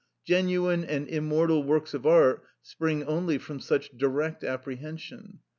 Genuine and immortal works of art spring only from such direct apprehension.